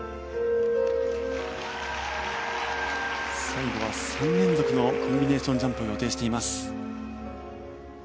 最後は３連続のコンビネーションジャンプを予定しています。